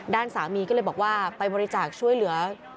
ด้านสามีก็เลยบอกว่าไปบริจาคช่วยเหลือ